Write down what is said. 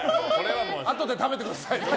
あとで食べてください。